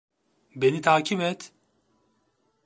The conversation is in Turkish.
Beni takip et.